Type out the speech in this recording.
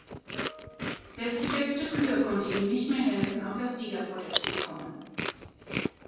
Selbst die beste Kür konnte ihm nicht mehr helfen, auf das Siegerpodest zu kommen.